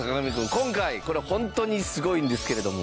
今回これホントにすごいんですけれども。